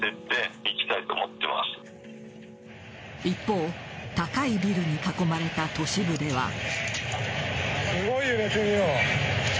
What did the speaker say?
一方、高いビルに囲まれた都市部では。